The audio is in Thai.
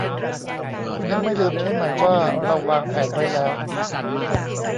คุณยังไม่ลืมใช่ไหมว่าเราวางแผนไว้แล้ว